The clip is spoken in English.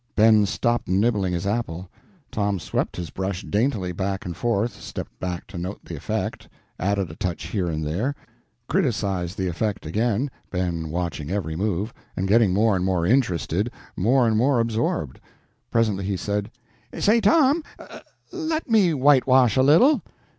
Ben stopped nibbling his apple. Tom swept his brush daintily back and forth stepped back to note the effect added a touch here and there criticised the effect again, Ben watching every move, and getting more and more interested, more and more absorbed. Presently he said "Say, Tom, let me whitewash a little."